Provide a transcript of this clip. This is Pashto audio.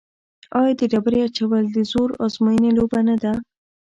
آیا د ډبرې اچول د زور ازموینې لوبه نه ده؟